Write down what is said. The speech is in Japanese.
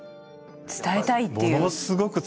伝えたいっていう。